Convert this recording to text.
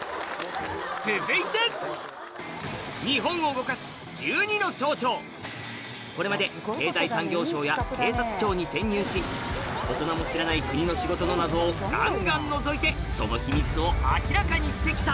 続いてこれまで大人も知らない国の仕事の謎をガンガンのぞいてその秘密を明らかにしてきた